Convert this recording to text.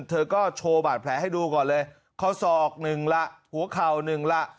เธอก็โชว์บาดแผลให้ดูก่อนเลยข้อศอกหนึ่งละหัวเข่าหนึ่งล่ะ